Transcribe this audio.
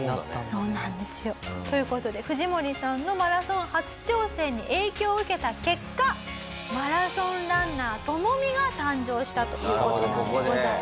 そうなんですよ。という事で藤森さんのマラソン初挑戦に影響を受けた結果マラソンランナートモミが誕生したという事なんでございます。